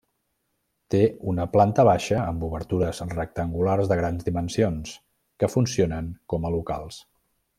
Té una planta baixa amb obertures rectangulars de grans dimensions, que funcionen com a locals.